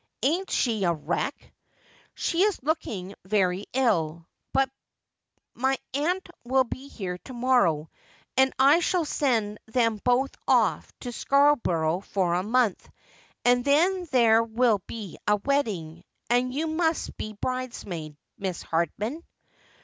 Ain't she a wreck ?'' She is looking very ill ; but my aunt will be here to morrow, and I shall send them both off to Scarborough for a month ; and then there will be a wedding, and you must be bridesmaid, Miss Hardman.'